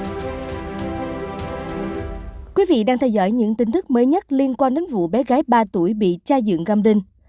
các quý vị đang theo dõi những tin tức mới nhất liên quan đến vụ bé gái ba tuổi bị tra dựng găm đinh